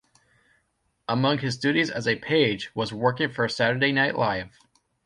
Among his duties as a page was working for "Saturday Night Live".